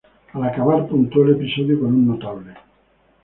Al acabar puntuó el episodio con un notable.